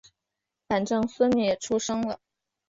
反正孙女也出生了